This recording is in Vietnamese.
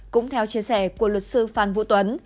cũng theo chia sẻ của luật sư phan vũ tuấn